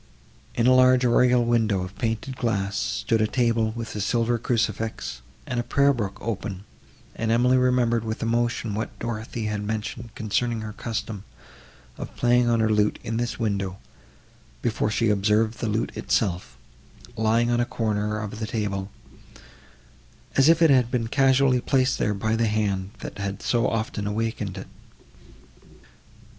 In a large oriel window of painted glass, stood a table, with a silver crucifix, and a prayer book open; and Emily remembered with emotion what Dorothée had mentioned concerning her custom of playing on her lute in this window, before she observed the lute itself, lying on a corner of the table, as if it had been carelessly placed there by the hand, that had so often awakened it.